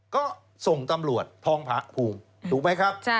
ก็ส่งตำรวจทองผาภูมิถูกไหมครับ